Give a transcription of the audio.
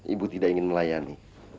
ibu tidak ingin melayani